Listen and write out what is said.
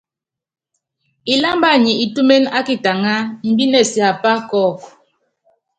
Ilámba nyi itúméne ákitaŋá, imbíne siápá kɔ́ɔku.